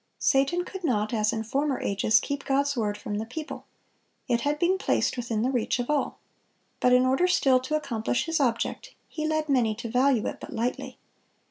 Satan could not, as in former ages, keep God's word from the people; it had been placed within the reach of all; but in order still to accomplish his object, he led many to value it but lightly.